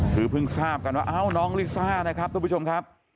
คือเพิ่งทราบกันว่าเอ้าน้องลิซ่านะครับทุกผู้ชมครับ